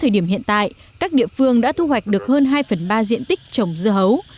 điểm hiện tại các địa phương đã thu hoạch được hơn hai phần ba diện tích trồng dưa hấu